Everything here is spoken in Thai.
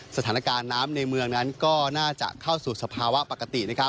สถานการณ์น้ำในเมืองนั้นก็น่าจะเข้าสู่สภาวะปกติ